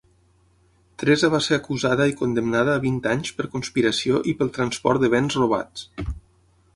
Teresa va ser acusada i condemnada a vint anys per conspiració i pel transport de béns robats.